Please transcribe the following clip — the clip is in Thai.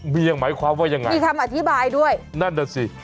ยังหมายความว่ายังไงมีคำอธิบายด้วยนั่นน่ะสิ